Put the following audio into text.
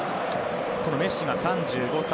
メッシが３５歳。